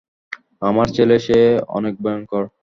আমার ছেলে সে অনেক ভয়ংকর।